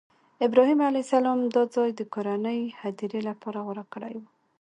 ابراهیم علیه السلام دا ځای د کورنۍ هدیرې لپاره غوره کړی و.